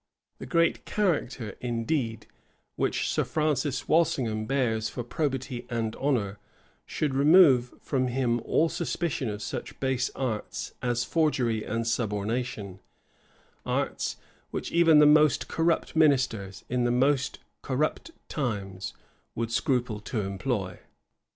The great character, indeed, which Sir Francis Walsingham bears for probity and honor, should remove from him all suspicion of such base arts as forgery and subornation; arts which even the most corrupt ministers, in the most corrupt times, would scruple to employ.